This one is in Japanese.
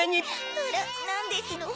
あらなんですの？